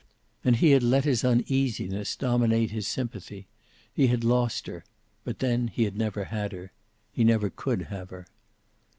And he had let his uneasiness dominate his sympathy. He had lost her, but then he had never had her. He never could have her.